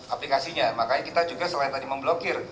aplikasinya makanya kita juga selain tadi memblokir